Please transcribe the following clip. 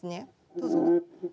どうぞ。